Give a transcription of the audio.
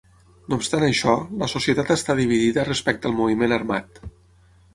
No obstant això, la societat està dividida respecte al moviment armat.